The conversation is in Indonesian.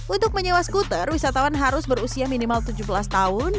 untuk menyewa skuter wisatawan harus berusia minimal tujuh belas tahun